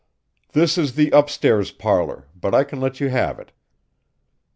"This is the up stairs parlor, but I can let you have it.